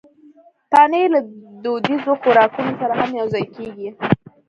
پنېر له دودیزو خوراکونو سره هم یوځای کېږي.